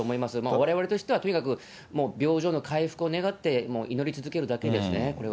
われわれとしてはとにかく病状の回復を願って、祈り続けるだけですね、これは。